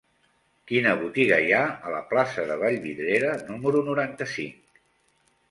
Quina botiga hi ha a la plaça de Vallvidrera número noranta-cinc?